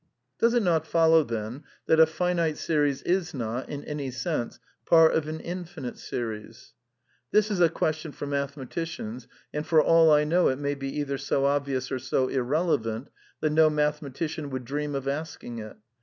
Does it not follow, then, that a finite series is not, in*^ any sense, part of an infinite series ? This is a question for mathematicians, and for all I know it may be either so obvious or so irrelevant that no mathematician would dream of asking it.